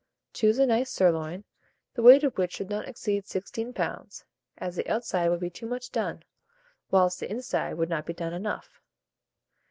Choose a nice sirloin, the weight of which should not exceed 16 lbs., as the outside would be too much done, whilst the inside would not be done enough.